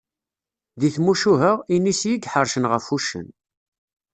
Deg tmucuha, inisi i iḥeṛcen ɣef uccen.